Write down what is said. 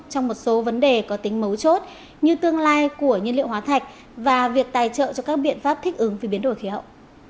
trong một số vấn đề có tính mấu chốt như tương lai của nhiên liệu hóa thạch và việc tài trợ cho các biện pháp thích ứng với biến đổi khí hậu